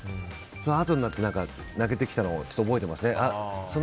あとになって泣けてきたのを覚えていますね。